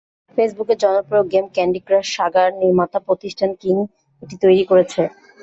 ফেসবুকের জনপ্রিয় game Candy Crush Saga নির্মাতা প্রতিষ্ঠান কিং এটি তৈরি করেছে।